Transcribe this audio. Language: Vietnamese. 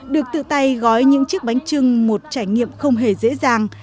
được tự tay gói những chiếc bánh trưng một trải nghiệm không hề dễ dàng